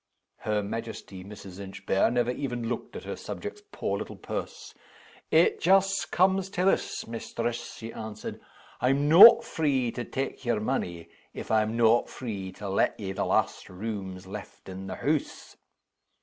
Her majesty, Mrs. Inchbare, never even looked at her subject's poor little purse. "It just comes to this, mistress," she answered. "I'm no' free to tak' your money, if I'm no' free to let ye the last rooms left in the hoose.